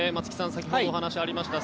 先ほどもお話がありました